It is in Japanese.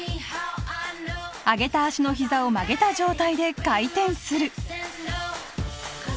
上げた足のひざを曲げた状態で回転する。